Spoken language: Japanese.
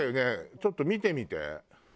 ちょっと見てみて。